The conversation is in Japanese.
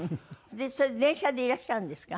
それ電車でいらっしゃるんですか？